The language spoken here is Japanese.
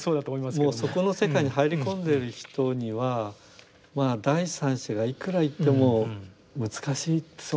もうそこの世界に入り込んでる人には第三者がいくら言っても難しいっていうのが実感ですね。